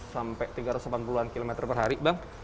tiga ratus sampai tiga ratus delapan puluh an km per hari bang